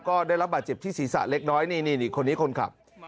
ก็ได้รับบาดเจ็บที่ศีรษะเล็กน้อยนี่คนนี้คนขับ